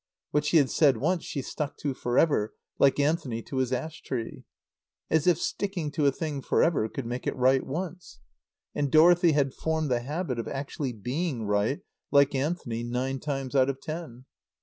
What she had said once she stuck to for ever, like Anthony to his ash tree. As if sticking to a thing for ever could make it right once. And Dorothy had formed the habit of actually being right, like Anthony, nine times out of ten.